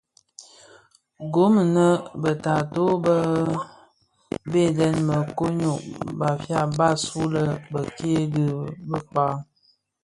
Gom inèn bë taatoh bë bënèn, bë nyokon (Bafia) mbas wu lè bekke dhi bëkpag,